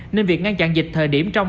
nên việc ngăn chặn dịch thời điểm trong